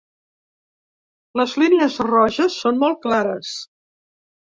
Les línies roges són molt clares.